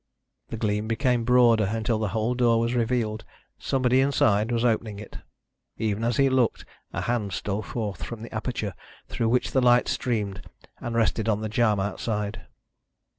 The gleam became broader until the whole door was revealed. Somebody inside was opening it. Even as he looked a hand stole forth from the aperture through which the light streamed, and rested on the jamb outside.